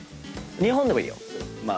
日本でもいいよ。